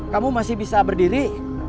kamu masih bisa berdiri